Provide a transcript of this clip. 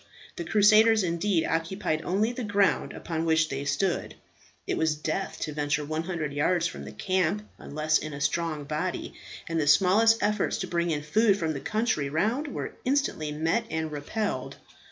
The crusaders, indeed, occupied only the ground upon which they stood. It was death to venture 100 yards from the camp, unless in a strong body; and the smallest efforts to bring in food from the country round were instantly met and repelled.